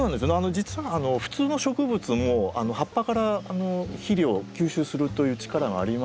実は普通の植物も葉っぱから肥料を吸収するという力がありまして。